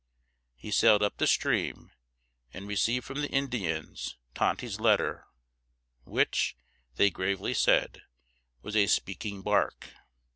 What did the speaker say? He sailed up the stream, and received from the Indians Tonty's letter, which, they gravely said, was a "speaking bark."